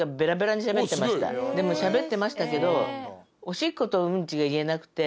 でもしゃべってましたけど。